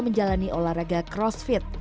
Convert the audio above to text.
menjalani olahraga crossfit